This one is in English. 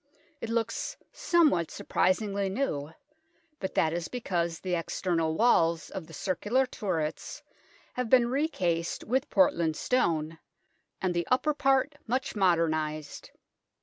It looks some what surprisingly new, but that is because the external walls of the circular turrets have been recased with Portland stone, and the upper part much modernized.